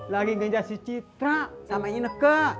lagi ngejar si citra sama enak enak